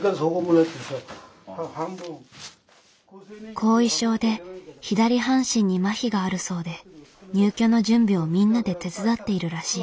後遺症で左半身にまひがあるそうで入居の準備をみんなで手伝っているらしい。